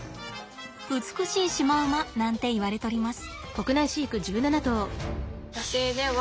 美しいシマウマなんて言われとります。